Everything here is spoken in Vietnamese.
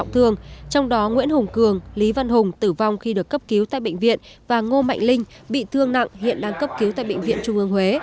trong đó nguyễn hùng cường lý văn hùng tử vong khi được cấp cứu tại bệnh viện và ngô mạnh linh bị thương nặng hiện đang cấp cứu tại bệnh viện trung ương huế